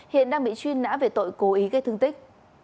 hiện đang bị truy nã về tội cố ý gây thương tích